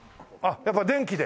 やっぱ電気で？